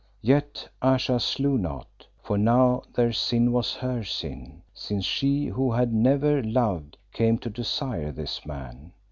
"Yet Ayesha slew not, for now their sin was her sin, since she who had never loved came to desire this man.